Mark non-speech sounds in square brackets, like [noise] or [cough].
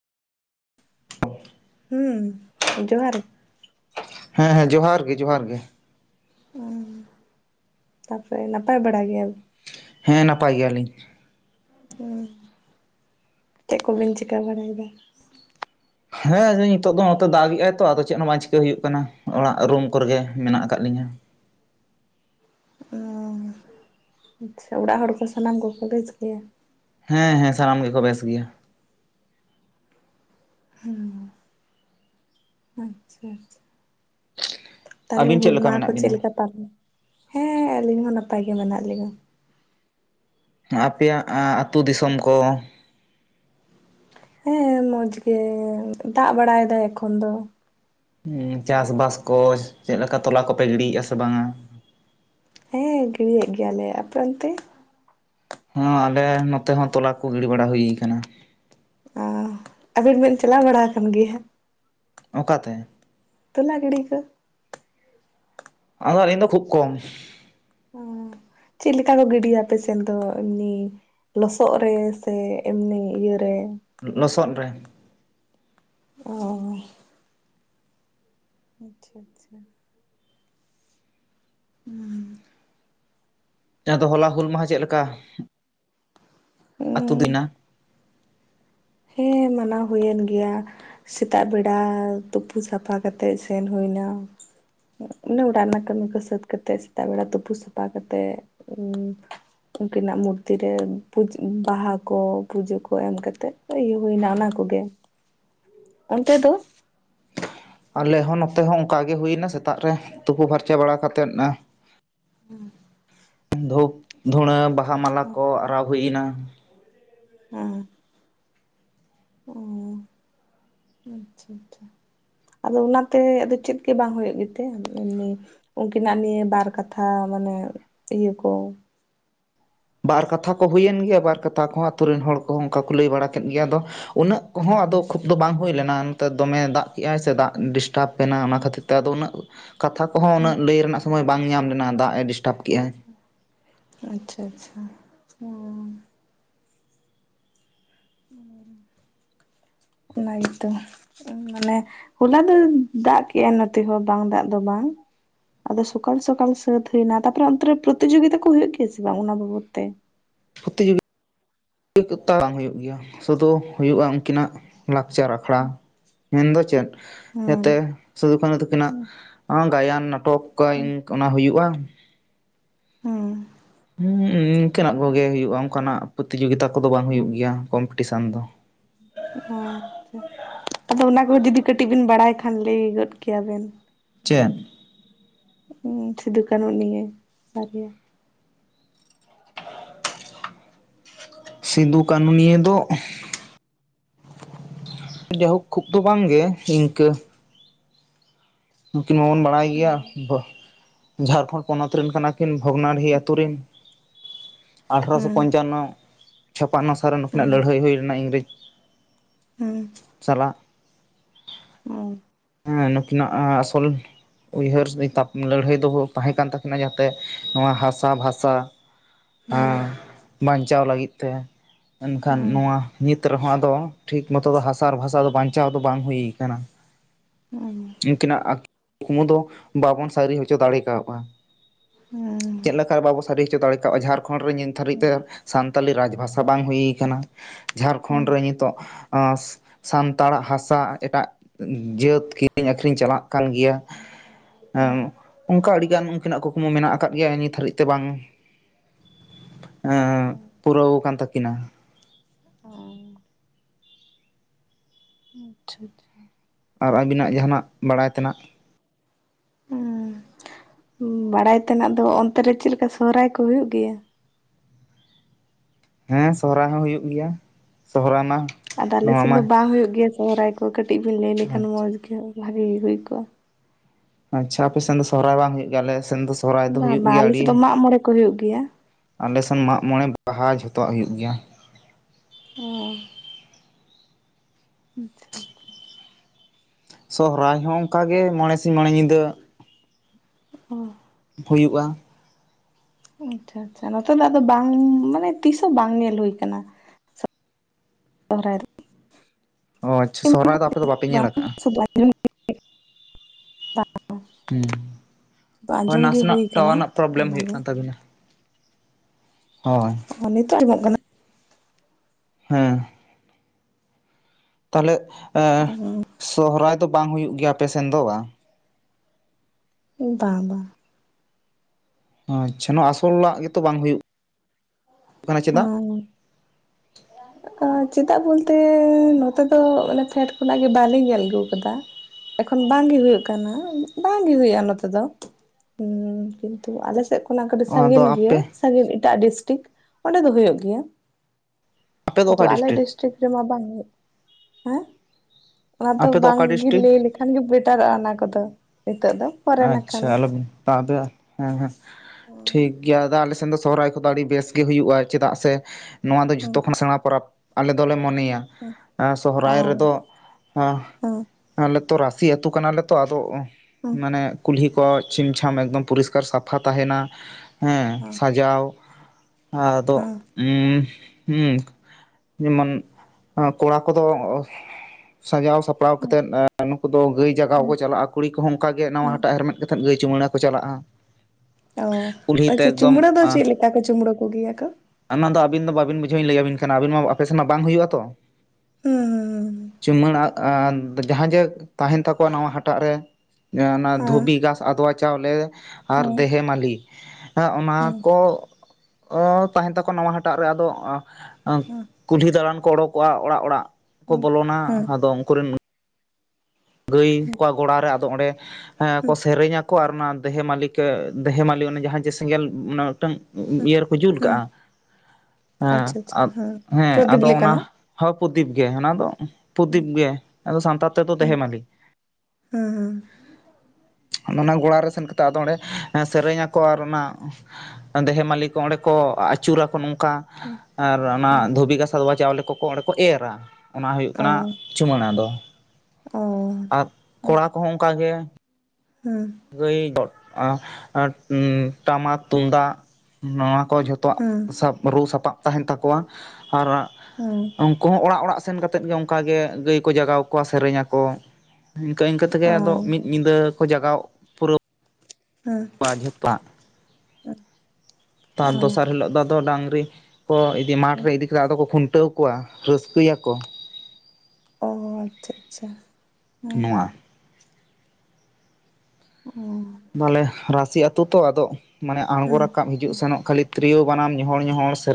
ᱦᱩᱸ ᱡᱚᱦᱟᱨ ᱦᱮᱸ ᱦᱮᱸ ᱡᱚᱦᱟᱨ ᱜᱮ ᱡᱚᱦᱟᱨ ᱜᱮ᱾ ᱦᱩᱸ ᱛᱟᱯᱚᱨ ᱱᱟᱯᱟᱭ ᱵᱟᱲᱟ ᱜᱮᱭᱟ ᱦᱮᱸ ᱱᱟᱯᱟᱭ ᱜᱮᱭᱟ ᱞᱤᱧ᱾ ᱦᱩᱸ ᱪᱮᱫ ᱠᱚᱵᱮᱱ ᱪᱤᱠᱟᱹ ᱵᱟᱲᱟᱭᱮᱫᱟ? ᱦᱮᱸ ᱱᱤᱛᱚᱜ ᱫᱚ ᱱᱚᱛᱮ ᱫᱟᱜᱮ ᱟᱭ ᱛᱚ ᱟᱫᱚ ᱪᱮᱫ ᱦᱚᱸ ᱵᱟᱝ ᱪᱤᱠᱟᱹ ᱦᱩᱭᱩᱜ ᱠᱟᱱᱟ ᱚᱲᱟᱜ ᱨᱩᱢ ᱠᱚᱨᱮᱜ ᱜᱮ ᱢᱮᱱᱟᱜ ᱟᱠᱟᱫ ᱞᱤᱧᱟᱹ ᱚ ᱟᱪᱪᱷᱟ, ᱚᱲᱟᱜ ᱦᱚᱲ ᱠᱚ ᱥᱟᱱᱟᱢ ᱠᱚ ᱠᱚ ᱵᱮᱥ ᱜᱮᱭᱟ ᱦᱮᱸ ᱦᱮᱸ ᱥᱟᱱᱟᱢ ᱜᱮᱠᱚ ᱵᱮᱥ ᱜᱮᱭᱟ᱾ ᱦᱩᱸ᱾ ᱟᱪᱪᱷᱟ ᱟᱪᱪᱷᱟ, ᱛᱟᱦᱞᱮ ᱟᱹᱵᱤᱱ ᱪᱮᱫ ᱦᱩᱞ ᱞᱮᱠᱟ ᱢᱟᱦᱟ ᱠᱚ ᱢᱮᱱᱟᱜ ᱪᱮᱫ ᱵᱤᱱᱟ ᱞᱮᱠᱟ ᱛᱟᱞᱮ ᱦᱮᱸ ᱟᱹᱞᱤᱧ ᱦᱚᱸ ᱱᱟᱯᱟᱭ ᱜᱮ ᱢᱮᱱᱟᱜ ᱞᱤᱧᱟᱹ ᱟᱯᱮᱭᱟᱜ ᱟᱹᱛᱩ ᱫᱤᱥᱚᱢ ᱠᱚ ᱦᱮᱸ ᱢᱚᱸᱡᱽ ᱜᱮ ᱫᱟᱜ ᱵᱟᱲᱟᱭ ᱫᱟᱭ ᱮᱠᱷᱚᱱ ᱫᱚ ᱩᱸ ᱪᱟᱥ ᱵᱟᱥ ᱠᱚ ᱪᱮᱫ ᱞᱮᱠᱟ ᱛᱚᱞᱟ ᱠᱚᱯᱮ ᱜᱤᱲᱤᱭᱮᱜᱼᱟ ᱥᱮ ᱵᱟᱝᱟ? ᱦᱮᱸ ᱜᱤᱲᱤᱭᱮᱫ ᱜᱮᱭᱟᱞᱮ ᱟᱯᱮ ᱚᱱᱛᱮ ᱦᱮᱸ ᱟᱞᱮ ᱱᱚᱛᱮ ᱦᱚᱸ ᱛᱚᱞᱟ ᱠᱚ ᱜᱤᱲᱤ ᱵᱟᱲᱟ ᱦᱩᱭ ᱠᱟᱱᱟ ᱚ ᱟᱹᱵᱤᱱ ᱵᱤᱱ ᱪᱟᱞᱟᱣ ᱵᱟᱲᱟ ᱟᱠᱟᱱ ᱜᱮᱭᱟ? ᱚᱱᱠᱟᱛᱮ? ᱛᱚᱞᱟ ᱜᱤᱲᱤ ᱠᱚ ᱟᱫᱚ ᱟᱹᱞᱤᱧ ᱫᱚ ᱠᱷᱩᱵ ᱠᱚᱢ ᱚ, ᱪᱮᱫ ᱞᱮᱠᱟ ᱠᱚ ᱜᱤᱰᱤᱭᱟ ᱟᱯᱮ ᱥᱮᱱ ᱫᱚ ᱮᱢᱱᱤ ᱞᱚᱥᱚᱜ ᱨᱮ ᱥᱮ ᱮᱢᱱᱤ ᱤᱭᱟᱹᱨ ᱨᱮ ᱞᱚᱥᱚᱫ ᱨᱮ᱾ ᱚ ᱟᱪᱪᱷᱟ ᱟᱪᱪᱷᱟ᱾ ᱦᱩᱸ᱾ ᱟᱫᱚ ᱦᱚᱞᱟ ᱦᱩᱞ ᱢᱟᱦᱟ ᱪᱮᱫ ᱞᱮᱠᱟ? ᱟᱹᱛᱩ ᱩᱸ ᱫᱤᱱᱟ ᱦᱮᱸ ᱢᱟᱱᱟᱣ ᱦᱩᱭᱮᱱ ᱜᱮᱭᱟ᱾ ᱥᱮᱛᱟᱜ ᱵᱮᱲᱟ ᱛᱩᱯᱩ ᱥᱟᱯᱷᱟ ᱠᱟᱛᱮ ᱥᱮᱱ ᱦᱩᱭᱱᱟ ᱾ ᱚᱱᱮ ᱚᱲᱟᱜ ᱨᱮᱱᱟᱜ ᱠᱟᱹᱢᱤ ᱠᱚ ᱥᱟᱹᱛ ᱠᱟᱛᱮ ᱥᱮᱛᱟᱜ ᱵᱮᱲᱟ ᱛᱩᱯᱩ ᱥᱟᱯᱷᱟ ᱠᱟᱛᱮ ᱩᱱᱠᱤᱱᱟᱜ ᱢᱩᱨᱛᱤ ᱨᱮ ᱵᱟᱦᱟ ᱠᱚ ᱯᱩᱡᱟᱹ ᱠᱚ ᱮᱢ ᱠᱟᱛᱮ ᱤᱭᱟᱹ ᱦᱩᱭᱱᱟ ᱚᱱᱟ ᱠᱚᱜᱮ ᱚᱱᱛᱮ ᱫᱚ ᱟᱞᱮ ᱦᱚᱸ ᱱᱚᱛᱮ ᱦᱚᱸ ᱚᱱᱠᱟ ᱜᱮ ᱦᱩᱭᱮᱱᱟ ᱥᱮᱛᱟᱜ ᱨᱮ ᱛᱩᱯᱩ ᱯᱷᱟᱨᱪᱟ ᱵᱟᱲᱟ ᱠᱟᱛᱮᱫ ᱫᱷᱩᱯ ᱫᱷᱩᱸᱲᱟᱹ ᱵᱟᱦᱟ ᱢᱟᱞᱟ ᱠᱚ ᱟᱨᱟᱣ ᱦᱩᱭ ᱮᱱᱟ ᱾ ᱦᱮᱸ ᱚ ᱟᱪᱪᱷᱟ ᱟᱪᱪᱷᱟ ᱾ ᱟᱫᱚ ᱚᱱᱟᱛᱮ ᱟᱫᱚ ᱪᱮᱫ ᱜᱮ ᱵᱟᱝ ᱦᱩᱭᱩᱜ ᱜᱮᱛᱮ ᱮᱢᱱᱤ ᱩᱱᱠᱤᱱᱟᱜ ᱱᱤᱭᱮᱹ ᱵᱟᱨ ᱠᱟᱛᱷᱟ ᱢᱟᱱᱮ ᱤᱭᱟᱹ ᱠᱚ ᱵᱟᱨ ᱠᱟᱛᱷᱟ ᱠᱚ ᱦᱩᱭᱮᱱ ᱜᱮᱭᱟ ᱵᱟᱨ ᱠᱟᱛᱷᱟ ᱠᱚᱦᱚᱸ ᱟᱛᱩ ᱨᱮᱱ ᱦᱚᱲ ᱠᱚᱦᱚᱸ ᱚᱱᱠᱟ ᱠᱚ ᱞᱟᱹᱭ ᱵᱟᱲᱟ ᱠᱮᱫ ᱜᱮᱭᱟ ᱟᱫᱚ ᱩᱱᱟᱹᱜ ᱠᱚᱦᱚᱸ ᱟᱫᱚ ᱠᱷᱩᱵᱽ ᱫᱚ ᱵᱟᱝ ᱦᱩᱭ ᱞᱮᱱᱟ ᱱᱚᱛᱮ ᱫᱚᱢᱮ ᱫᱟᱜ ᱠᱮᱼᱜᱟᱭ ᱥᱮ ᱫᱟᱜ ᱰᱤᱥᱴᱟᱵᱮᱱᱟ ᱚᱱᱟ ᱠᱷᱟᱹᱛᱤᱨ ᱛᱮ ᱟᱫᱚ ᱩᱱᱟᱹᱜ ᱠᱟᱛᱷᱟ ᱠᱚᱦᱚᱸ ᱦᱩᱸ ᱩᱱᱟᱹᱜ ᱞᱟᱹᱭ ᱨᱮᱱᱟᱜ ᱥᱚᱢᱚᱭ ᱵᱟᱝ ᱧᱟᱢ ᱞᱮᱱᱟ ᱫᱟᱜ ᱮ ᱰᱤᱥᱴᱟᱵᱽ ᱠᱮᱜᱼᱟᱭ ᱾ ᱟᱪᱪᱷᱟ ᱟᱪᱪᱷᱟ ᱾ ᱚ ᱚᱱᱟ ᱜᱮ ᱛᱚ ᱢᱟᱱᱮ ᱦᱚᱞᱟ ᱫᱚ ᱫᱟᱜ ᱠᱮᱜ-ᱟᱭ ᱱᱚᱛᱮ ᱦᱚᱸ ᱵᱟᱝ ᱫᱟᱜ ᱫᱚ ᱵᱟᱝ ᱟᱫᱚ ᱥᱚᱠᱟᱞ ᱥᱚᱠᱟᱞ ᱥᱟᱹᱛ ᱦᱩᱭᱱᱟ ᱛᱟᱯᱚᱨᱮ ᱚᱱᱛᱮ ᱨᱮ ᱯᱨᱚᱛᱤᱡᱳᱜᱤᱛᱟ ᱠᱚ ᱦᱩᱭᱩᱜ ᱜᱮᱭᱟ ᱥᱮ ᱵᱟᱝ ᱚᱱᱟ ᱵᱟᱵᱚᱛ ᱛᱮ ᱯᱨᱚᱛᱤᱡᱳᱜᱤᱛᱟ ᱫᱚ ᱵᱟᱝ ᱦᱩᱭᱩᱜ ᱜᱮᱭᱟ ᱥᱩᱫᱩ ᱦᱩᱭᱩᱜᱼᱟ ᱩᱱᱠᱤᱱᱟᱜ ᱞᱟᱠᱪᱟᱨ ᱟᱠᱷᱲᱟ ᱢᱮᱱ ᱫᱚ ᱪᱮᱫ ᱦᱩᱸ ᱡᱟᱛᱮ ᱥᱩᱫᱩ ᱠᱟᱹᱱᱩ ᱛᱠᱤᱱᱟᱜ ᱦᱩᱸ ᱜᱟᱭᱟᱱ ᱱᱟᱴᱚᱠ ᱠᱚ ᱦᱩᱸ ᱚᱱᱟ ᱦᱩᱭᱩᱜᱼᱟ ᱾ ᱦᱮᱸ ᱾ ᱦᱩᱸ ᱱᱤᱠᱟᱹ ᱱᱟᱜ ᱠᱚᱜᱮ ᱦᱩᱭᱩᱜᱼᱟ ᱚᱱᱠᱟᱱᱟᱜ ᱯᱚᱛᱤᱡᱳᱜᱤᱛᱟ ᱠᱚᱫᱚ ᱵᱟᱝ ᱦᱩᱸ ᱦᱩᱭᱩᱜ ᱜᱮᱭᱟ ᱠᱚᱢᱯᱤᱴᱤᱥᱟᱱ ᱫᱚ ᱾ ᱚ ᱾ ᱟᱫᱚ ᱚᱱᱟ ᱠᱚᱦᱚᱸ ᱡᱩᱫᱤ ᱠᱟᱹᱴᱤᱡ ᱵᱮᱱ ᱵᱟᱲᱟᱭ ᱠᱷᱟᱱ ᱞᱟᱹᱭ ᱜᱚᱫ ᱠᱮᱭᱟ ᱵᱮᱱ? ᱪᱮᱫ ᱥᱤᱫᱩᱠᱟᱱᱩ ᱱᱤᱭᱮ ᱵᱟᱨᱭᱟ ᱥᱤᱫᱩ ᱠᱟᱹᱱᱩ ᱱᱤᱭᱮᱹ ᱫᱚ ᱡᱟᱭᱦᱳᱠ ᱠᱷᱩᱵ ᱫᱚ ᱵᱟᱝ ᱜᱮ ᱤᱱᱠᱟᱹ ᱱᱩᱠᱤᱱ ᱢᱟᱵᱚᱱ ᱵᱟᱲᱟᱭ ᱜᱮᱭᱟ [inaudible] ᱡᱷᱟᱲᱠᱷᱚᱸᱰ ᱯᱚᱱᱚᱛ ᱨᱮᱱ ᱠᱟᱱᱟ ᱠᱤᱱ ᱵᱷᱚᱜᱽᱱᱟᱰᱤ ᱟᱛᱳ ᱨᱮᱱ [inaudible] ᱟᱴᱷᱨᱚᱥᱚ ᱯᱚᱧᱪᱟᱱᱱᱚ ᱪᱷᱟᱯᱟᱱᱱᱚ ᱥᱟᱞᱨᱮ ᱱᱩᱠᱤᱱᱟᱜ ᱦᱩᱸ ᱞᱟᱹᱲᱦᱟᱹᱭ ᱦᱩᱭ ᱞᱮᱱᱟ ᱤᱝᱨᱮᱡᱽ ᱟᱪᱪᱷᱟ ᱪᱟᱞᱟᱜ [unintelligible] ᱱᱩᱠᱤᱱᱟᱜ ᱟᱥᱚᱞ ᱩᱭᱦᱟᱹᱨ [inaudible] ᱥᱮᱟ [unintelligible] ᱞᱟᱹᱲᱦᱟᱹᱭ ᱫᱚᱦᱚ ᱛᱟᱦᱮᱸ ᱠᱟᱱ ᱛᱟᱹᱠᱤᱱᱟ ᱡᱟᱛᱮ ᱱᱚᱣᱟ ᱦᱟᱥᱟ ᱵᱷᱟᱥᱟ ᱮ ᱵᱟᱧᱪᱟᱣ ᱞᱟᱹᱜᱤᱫ ᱛᱮ ᱮᱱᱠᱷᱟᱱ ᱟᱪᱪᱷᱟ ᱱᱚᱣᱟ ᱱᱤᱛ ᱨᱮᱦᱚᱸ ᱟᱫᱚ ᱴᱷᱤᱠ ᱢᱚᱛᱚ ᱫᱚ ᱦᱟᱥᱟ ᱥᱟ ᱟᱨ ᱵᱷᱟᱥᱟ ᱫᱚ ᱵᱟᱧᱪᱟᱣ ᱫᱚ ᱵᱟᱝ ᱦᱩᱭ ᱟᱠᱟᱱᱟ [inaudible] ᱩᱱᱠᱤᱱᱟᱜ ᱠᱩᱠᱢᱩ ᱫᱚ ᱵᱟᱵᱚᱱ ᱥᱟᱹᱨᱤ ᱦᱚᱪᱚ ᱫᱟᱲᱮ ᱠᱟᱼᱟ ᱪᱮᱫᱞᱮᱠᱟ ᱨᱮ ᱵᱟᱵᱚ ᱥᱟᱹᱨᱤ ᱦᱚᱪᱚ ᱫᱟᱲᱮ ᱠᱟᱣᱜᱼᱟ ᱡᱷᱟᱲᱠᱷᱚᱸᱰ ᱨᱮ ᱱᱤᱛ ᱫᱷᱟᱹᱨᱤᱡ ᱛᱮ ᱥᱟᱱᱛᱟᱞᱤ ᱨᱟᱡᱽ ᱵᱷᱟᱥᱟ ᱵᱟᱝ ᱦᱩᱭ ᱠᱟᱱᱟ ᱡᱷᱟᱲᱠᱷᱚᱸᱰ ᱨᱮ ᱱᱤᱛᱚᱜ ᱥᱟᱱᱛᱟᱲᱟᱜ ᱦᱟᱥᱟ ᱮᱴᱟᱜ ᱡᱟᱹᱛ ᱠᱤᱨᱤᱧ ᱟᱠᱷᱨᱤᱧ ᱪᱟᱞᱟᱜ ᱠᱟᱱ ᱜᱮᱭᱟ ᱦᱸ ᱚᱱᱠᱟ ᱟᱹᱰᱤᱜᱟᱱ ᱩᱱᱠᱤᱱᱟᱜ ᱠᱩᱠᱢᱩ ᱢᱮᱱᱟᱜ ᱟᱠᱟᱫ ᱜᱮᱭᱟ ᱱᱤᱛ ᱦᱟᱹᱨᱤᱡ ᱛᱮ ᱵᱟᱝ ᱯᱩᱨᱟᱹᱣ ᱟᱠᱟᱱ ᱛᱟᱹᱠᱤᱱᱟ ᱚ [unintelligible] ᱟᱨ ᱟᱹᱵᱤᱱᱟᱜ ᱡᱟᱦᱟᱱᱟᱜ ᱵᱟᱲᱟᱭ ᱛᱮᱱᱟᱜ ᱩᱸ ᱵᱟᱲᱟᱭ ᱛᱮᱱᱟᱜ ᱫᱚ ᱚᱱᱛᱮ ᱨᱮ ᱪᱮᱫᱞᱮᱠᱟ ᱥᱚᱦᱨᱟᱭ ᱠᱚ ᱦᱩᱭᱩᱜ ᱜᱮᱭᱟ ᱦᱮᱸ ᱥᱚᱦᱨᱟᱭ ᱦᱚᱸ ᱦᱩᱭᱩᱜ ᱜᱮᱭᱟ ᱥᱚᱦᱨᱟᱭ ᱢᱟ ᱟᱫᱚ ᱱᱚᱣᱟ ᱟᱞᱮᱥᱮᱫ ᱢᱟ ᱫᱚ ᱵᱟᱝ ᱦᱩᱭᱩᱜ ᱜᱮᱭᱟ ᱥᱚᱦᱚᱨᱟᱭ ᱠᱚ ᱠᱟᱹᱴᱤᱡ ᱵᱮᱱ ᱞᱟᱹᱭ ᱟᱪᱪᱷᱟ ᱞᱮᱠᱷᱟᱱ ᱢᱚᱸᱡᱽ ᱜᱮ ᱵᱷᱟᱜᱤ ᱦᱩᱭ ᱠᱚᱜᱼᱟ ᱟᱪᱪᱷᱟ ᱟᱯᱮ ᱥᱮᱱ ᱫᱚ ᱥᱚᱦᱨᱟᱭ ᱵᱟᱝ ᱦᱩᱭᱩᱜ ᱜᱮᱭᱟ ᱟᱞᱮ ᱥᱮᱱ ᱫᱚ ᱥᱚᱦᱨᱟᱭ ᱫᱚ ᱵᱟᱝ ᱦᱩᱭᱩᱜ ᱵᱟᱝ ᱟᱞᱮᱥᱮᱫ ᱫᱚ ᱢᱟᱜ ᱢᱚᱬᱮ ᱠᱚ ᱦᱩᱭᱩᱜ ᱜᱮᱭᱟ ᱟᱞᱮᱥᱮᱱ ᱢᱟᱜ ᱢᱚᱬᱮ ᱵᱟᱦᱟ ᱡᱷᱚᱛᱚᱣᱟᱜ ᱦᱩᱭᱩᱜ ᱜᱮᱭᱟ ᱚᱻ ᱟᱪᱪᱷᱟ ᱥᱚᱦᱨᱟᱭ ᱦᱚᱸ ᱚᱱᱠᱟ ᱜᱮ ᱢᱚᱬᱮ ᱥᱤᱧ ᱢᱚᱬᱮ ᱧᱤᱫᱟᱹ ᱚ ᱦᱩᱭᱩᱜᱼᱟ ᱟᱪᱪᱷᱟ ᱟᱪᱪᱷᱟ ᱱᱚᱛᱮ ᱫᱚ ᱟᱫᱚ ᱵᱟᱝ ᱢᱟᱱᱮ ᱛᱤᱥ ᱦᱚᱸ ᱵᱟᱝ ᱧᱮᱞ ᱦᱩᱭ ᱠᱟᱱᱟ ᱥᱚᱦᱨᱟᱭ ᱫᱚ ᱚ ᱟᱪᱪᱷᱟ ᱥᱚᱦᱨᱟᱭ ᱫᱚ ᱟᱯᱮ ᱫᱚ ᱵᱟᱯᱮ ᱧᱮᱞ ᱵᱟᱝ ᱠᱟᱜᱼᱟ [inaudible] ᱦᱮᱸ ᱦᱳᱭ ᱟᱸᱡᱚᱢ ᱜᱮ ᱱᱟᱥᱮᱱᱟᱜ ᱦᱩᱭ ᱴᱟᱣᱟᱨ ᱟᱠᱟᱱᱟ ᱨᱮᱱᱟᱜ ᱯᱨᱚᱵᱞᱮᱢ ᱦᱩᱭᱩᱜ ᱚᱱᱟᱜᱮ ᱠᱟᱱ ᱛᱟᱵᱤᱱᱟ ᱦᱚᱭ ᱦᱚᱸ ᱱᱤᱛᱚᱜ ᱟᱱᱡᱚᱢᱚᱜ ᱠᱟᱱᱟ ᱦᱮᱸ ᱛᱟᱦᱚᱞᱮ ᱮᱸ ᱥᱚᱦᱚᱨᱟᱭ ᱫᱚ ᱵᱟᱝ ᱦᱩᱭᱩᱜ ᱜᱮᱭᱟ ᱟᱯᱮ ᱥᱮᱱ ᱫᱚ ᱵᱟᱝ ᱵᱟᱝ ᱵᱟᱝ ᱟᱪᱪᱷᱟ ᱱᱚᱣᱟ ᱟᱥᱚᱞᱟᱜ ᱜᱮᱛᱚ ᱵᱟᱝ ᱦᱩᱭᱩᱜ ᱠᱟᱱᱟ ᱪᱮᱫᱟᱜ ᱵᱟᱝ ᱪᱮᱫᱟᱜ ᱵᱚᱞᱛᱮᱻ ᱱᱚᱛᱮ ᱫᱚ ᱚᱱᱮ ᱯᱷᱮᱰ ᱠᱷᱚᱱᱟᱜ ᱜᱮ ᱵᱟᱞᱤᱧ ᱧᱮᱞ ᱟᱹᱜᱩ ᱟᱠᱟᱫᱟ ᱮᱠᱷᱚᱱ ᱵᱟᱝᱜᱮ ᱦᱩᱭᱩᱜ ᱠᱟᱱᱟ ᱵᱟᱝᱜᱮ ᱦᱩᱭᱩᱜᱼᱟ ᱱᱚᱛᱮ ᱫᱚ ᱦᱩᱸ ᱠᱤᱱᱛᱩ ᱟᱞᱮ ᱥᱮᱫᱼᱼ ᱚᱱᱟ ᱠᱚᱫᱚ ᱟᱫᱚ ᱥᱟᱹᱜᱤᱱ ᱜᱤᱭᱟ ᱟᱯᱮ ᱥᱟᱹᱜᱤᱱ ᱮᱴᱟᱜ ᱰᱤᱥᱴᱤᱠ ᱚᱸᱰᱮ ᱫᱚ ᱦᱳᱭᱳᱜ ᱜᱮᱭᱟ ᱾ ᱫᱚ ᱟᱞᱮ ᱰᱤᱥᱴᱤᱠ ᱨᱮᱢᱟ ᱵᱟᱝ ᱦᱩᱭᱩᱜ ᱦᱮᱸ ᱚᱱᱟ ᱫᱚ ᱟᱯᱮ ᱚᱠᱟ ᱵᱟᱝᱜᱤ ᱰᱤᱥᱴᱤᱠ ᱞᱟᱹᱭ ᱞᱮᱠ ᱠᱷᱟᱱ ᱜᱮ ᱵᱮᱴᱟᱨᱚᱜᱼᱟ ᱚᱱᱟ ᱠᱚᱫᱚ ᱱᱤᱛᱚᱜ ᱫᱚ ᱯᱚᱨᱮ ᱱᱟᱠᱷᱟᱱ ᱟᱪᱪᱷᱟ ᱟᱞᱚ [unintelligible] ᱟᱫᱚ ᱦᱮᱸ ᱦᱟᱸᱜ ᱴᱷᱤᱠ ᱜᱮᱭᱟ ᱟᱫᱚ ᱟᱞᱮ ᱥᱮᱱ ᱫᱚ ᱥᱚᱦᱚᱨᱟᱭ ᱠᱚᱫᱚ ᱟᱹᱰᱤ ᱵᱮᱥ ᱜᱮ ᱦᱩᱭᱩᱜᱼᱟ ᱪᱮᱫᱟᱜ ᱥᱮ ᱱᱚᱣᱟ ᱫᱚ ᱦᱮᱸ ᱡᱷᱚᱛᱚ ᱠᱷᱚᱱ ᱥᱮᱬᱟ ᱯᱚᱨᱟᱵᱽ ᱟᱞᱮ ᱫᱚᱞᱮ ᱢᱚᱱᱮᱭᱟ ᱟ ᱚ ᱥᱚᱦᱨᱟᱭ ᱨᱮᱫᱚ ᱦᱮᱸ ᱟᱞᱮ ᱛᱚ ᱨᱟᱹᱥᱤ ᱟᱹᱛᱩ ᱠᱟᱱᱟᱞᱮ ᱛᱚ ᱟᱫᱚ ᱦᱮᱸ ᱢᱟᱱᱮ ᱠᱩᱞᱦᱤ ᱠᱚ ᱪᱷᱤᱢ ᱪᱷᱟᱢ ᱮᱠᱫᱚᱢ ᱯᱚᱨᱤᱥᱠᱟᱨ ᱥᱟᱯᱷᱟ ᱛᱟᱦᱮᱱᱟ ᱦᱮᱸ ᱥᱟᱡᱟᱣ ᱟᱫᱚ ᱦᱮᱸ ᱩᱢ ᱦᱩᱸ ᱡᱮᱢᱚᱱ ᱠᱚᱲᱟ ᱠᱚᱫᱚ ᱥᱟᱡᱟᱣ ᱥᱟᱯᱲᱟᱣ ᱠᱟᱛᱮᱫ ᱱᱩᱠᱩ ᱫᱚ ᱜᱟᱹᱭ ᱡᱟᱜᱟᱣ ᱠᱚ ᱦᱮᱸ ᱪᱟᱞᱟᱜᱼᱟ ᱠᱩᱲᱤ ᱠᱚᱦᱚᱸ ᱚᱱᱠᱟ ᱜᱮ ᱱᱟᱣᱟ ᱦᱮᱸ ᱦᱟᱴᱟᱜ ᱦᱮᱨᱢᱮᱫ ᱠᱟᱛᱮᱫ ᱜᱟᱹᱭ ᱪᱩᱢᱲᱟ ᱠᱚ ᱪᱟᱞᱟᱜᱼᱟ ᱾ ᱚ ᱟᱪᱟ ᱪᱩᱢᱲᱟᱹ ᱫᱚ ᱪᱮᱜ ᱞᱮᱠᱟ ᱠᱚ ᱪᱩᱢᱲᱟᱹ ᱠᱚᱜᱮᱭᱟ ᱠᱚ ᱚᱱᱟᱫᱚ ᱟᱵᱤᱱ ᱫᱚ ᱵᱟᱵᱤᱱ ᱵᱩᱡᱷᱟᱹᱣ ᱞᱮᱭᱟᱵᱤᱱ ᱠᱟᱱᱟ ᱟᱵᱤᱱ ᱢᱟ ᱟᱯᱮ ᱥᱮᱱᱢᱟ ᱵᱟᱝ ᱦᱩᱭᱩᱜᱼᱟ ᱛᱚ ᱦᱩᱸ ᱪᱩᱢᱟᱲᱟᱜ ᱟ ᱫᱚ ᱡᱟᱦᱟᱸ ᱡᱮᱠ ᱛᱟᱦᱮᱱ ᱛᱟᱠᱚᱣᱟ ᱱᱟᱣᱟ ᱦᱟᱴᱟᱜ ᱨᱮ ᱚᱱᱟ ᱦᱩᱸ ᱫᱷᱩᱵᱤ ᱜᱷᱟᱸᱥ ᱟᱫᱽᱣᱟ ᱪᱟᱣᱞᱮ ᱟᱨ ᱫᱮᱦᱮ ᱦᱩᱸ ᱢᱟᱹᱞᱤ ᱾ ᱚᱱᱟ ᱠᱚ ᱛᱟᱦᱮᱱ ᱛᱟᱠᱚ ᱱᱟᱣᱟ ᱦᱟᱴᱟᱜ ᱨᱮ ᱟᱫᱚ ᱦᱩᱸ ᱾ ᱠᱩᱞᱦᱤ ᱫᱟᱬᱟᱱ ᱠᱚ ᱚᱰᱳᱠᱚᱜᱼᱟ ᱚᱲᱟᱜ ᱚᱲᱟᱜ ᱠᱚ ᱦᱩᱸ ᱵᱚᱞᱚᱱᱟ ᱦᱩᱸ ᱦᱩᱸ ᱦᱩᱸ ᱟᱫᱚ ᱩᱱᱠᱩᱨᱮᱱ ᱜᱟᱹᱭ ᱠᱚᱣᱟ ᱜᱚᱲᱟ ᱨᱮ ᱟᱫᱚ ᱚᱸᱰᱮ ᱠᱚ ᱦᱩᱸ ᱥᱮᱨᱮᱧᱟ ᱾ ᱠᱚ ᱟᱨ ᱚᱱᱟ ᱫᱮᱦᱮ ᱠᱮ ᱢᱟᱹᱞᱤ ᱫᱮᱦᱮ ᱢᱟᱹᱞᱤ ᱚᱱᱮ ᱡᱟᱦᱟᱸ ᱡᱮ ᱥᱮᱸᱜᱮᱞ ᱢᱤᱜᱴᱟᱝ ᱦᱩᱸ ᱤᱭᱟᱹ ᱨᱮᱠᱚ ᱡᱩᱞ ᱠᱟᱜᱼᱟ ᱦᱩᱸ ᱦᱮᱸ ᱟᱪᱪᱷᱟ ᱟᱪᱪᱷᱟ ᱟ ᱦᱮᱸ ᱯᱨᱚᱫᱤᱯ ᱟᱫᱚ ᱚᱱᱟ ᱞᱮᱠᱟᱱᱟᱜ ᱦᱚ ᱯᱨᱚᱫᱤᱯ ᱜᱮ ᱚᱱᱟ ᱫᱚ ᱯᱨᱚᱫᱤᱯ ᱜᱮ ᱟᱫᱚ ᱥᱟᱱᱛᱟᱲ ᱛᱮᱫᱚ ᱫᱮᱦᱮᱸ ᱢᱟᱹᱞᱤ ᱾ ᱦᱮᱸ ᱦᱮᱸ ᱚᱱᱟ ᱜᱚᱲᱟ ᱨᱮ ᱥᱮᱱ ᱠᱟᱛᱮᱫ ᱟᱫᱚ ᱚᱸᱰᱮ ᱥᱮᱨᱮᱧ ᱟᱠᱚ ᱟᱨ ᱚᱱᱟ ᱫᱮᱦᱮ ᱢᱟᱞᱤ ᱠᱚ ᱚᱸᱰᱮ ᱠᱚ ᱟᱹᱪᱩᱨᱟ ᱠᱚ ᱱᱚᱝᱠᱟ ᱦᱩᱸ ᱾ ᱟᱨ ᱚᱱᱟ ᱦᱩᱸ ᱫᱷᱩᱵᱤ ᱜᱷᱟᱸᱥ ᱟᱫᱽᱣᱟ ᱪᱟᱣᱞᱮ ᱠᱚᱠᱚ ᱚᱸᱰᱮ ᱠᱚ ᱮᱨᱟ ᱚᱱᱟ ᱦᱩᱭᱩᱜ ᱠᱟᱱᱟ ᱚ ᱾ ᱪᱷᱩᱢᱟᱱᱟ ᱫᱚ᱾ ᱚ ᱾ ᱟᱨ ᱠᱚᱲᱟ ᱠᱚᱦᱚᱸ ᱚᱝᱠᱟ ᱜᱮ᱾ ᱦᱮᱸ᱾ ᱜᱟᱹᱭ ᱫᱚᱜ ᱴᱟᱢᱟᱠ ᱛᱩᱢᱫᱟᱜ ᱱᱚᱣᱟ ᱠᱚ ᱡᱷᱚᱛ ᱛᱚᱣᱟᱜ ᱦᱩᱸ ᱥᱟᱵ ᱨᱩ ᱥᱟᱯᱟᱵ ᱛᱟᱦᱮᱱ ᱛᱟᱠᱚᱣᱟ ᱟᱨ, [unintelligible] ᱩᱱᱠᱩ ᱦᱚᱸ ᱚᱲᱟᱜ ᱚᱲᱟᱜ ᱥᱮᱱ ᱠᱟᱛᱮᱜ ᱜᱮ ᱚᱝᱠᱟ ᱜᱮ ᱜᱟᱹᱭ ᱠᱚ ᱡᱟᱜᱟᱣ ᱠᱚᱣᱟ ᱥᱮᱨᱮᱧ ᱟᱠᱚ᱾ ᱤᱱᱠᱟᱹ ᱤᱱᱠᱟᱹ ᱛᱮᱜᱮ ᱟᱫᱚ ᱢᱤᱜ ᱧᱤᱫᱟᱹ ᱠᱚ ᱡᱟᱜᱟᱣ ᱯᱩᱨᱟᱹᱣ ᱦᱩᱸ [unintelligible] ᱛᱟᱨ ᱚ ᱫᱚᱥᱟᱨ ᱦᱤᱞᱳᱜ ᱫᱚ ᱟᱫᱚ ᱰᱟᱝᱨᱤ ᱠᱚ ᱤᱫᱤ ᱢᱟᱴᱷ ᱨᱮ ᱤᱫᱤ ᱠᱟᱛᱮᱫ ᱟᱫᱚ ᱠᱚ ᱠᱷᱩᱱᱴᱟᱹᱣ ᱠᱚᱣᱟ ᱨᱟᱹᱥᱠᱟᱹ ᱭᱟᱠᱚ ᱾ ᱚ ᱟᱪᱪᱷᱟ ᱟᱪᱪᱷᱟ᱾ ᱱᱚᱣᱟ᱾ ᱦᱩᱸ ᱚ ᱾ ᱵᱷᱟᱞᱮ ᱨᱟᱥᱤ ᱟᱹᱛᱩ ᱛᱚ ᱟᱫᱚ ᱢᱟᱱᱮ ᱟᱬᱜᱳ ᱦᱩᱸ ᱨᱟᱠᱟᱵ ᱦᱤᱡᱩᱜ ᱥᱮᱱᱚᱜ ᱠᱷᱟᱹᱞᱤ ᱛᱤᱨᱭᱳ ᱵᱟᱱᱟᱢ ᱧᱚᱦᱚᱲ ᱧᱚᱦᱚᱲ ᱥᱮᱨ